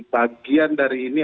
bagian dari ini